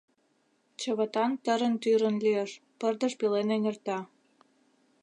Чывытан тырын-тӱрын лиеш, пырдыж пелен эҥерта.